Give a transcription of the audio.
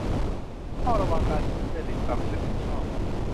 เฝ้าระวังการทุจริตประพฤติมิชอบ